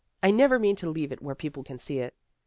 I never mean to leave it where people can see it."